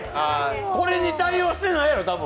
これに対応してないやろ多分！